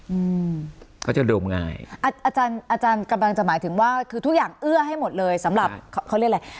อืมเขาจะโดมง่ายอาจารย์อาจารย์กำลังจะหมายถึงว่าคือทุกอย่างเอื้อให้หมดเลยสำหรับเขาเขาเรียกอะไร